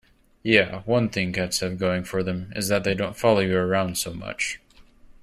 Yeah, one thing cats have going for them is that they don't follow you around so much.